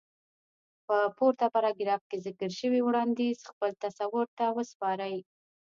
په پورته پاراګراف کې ذکر شوی وړانديز خپل تصور ته وسپارئ.